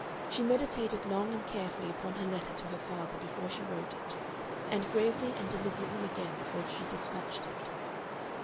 She meditated long and carefully upon her letter to her father before she wrote it, and gravely and deliberately again before she despatched it.